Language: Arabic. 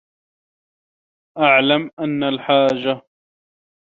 اعْلَمْ أَنَّ الْحَاجَةَ